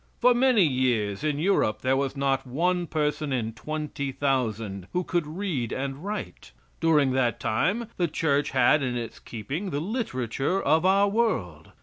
For many years in Europe there was not one person in 20,000 who could read and write. During that time the Church had in its keeping the literature of our world.